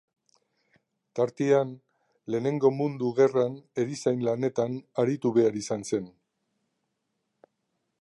Tartean, Lehenengo Mundu Gerran erizain lanetan aritu behar izan zen.